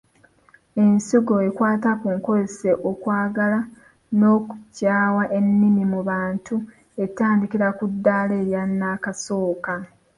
Ensigo ekwata ku nkozesa, okwagala n’okukyawa ennimi mu bantu etandikira ku ddaala erya nnakasooka.